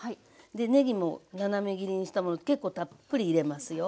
でねぎも斜め切りにしたもの結構たっぷり入れますよ。